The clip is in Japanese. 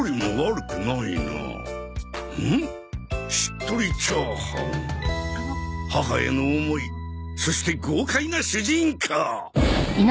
しっとりチャーハン母への思いそして豪快な主人公！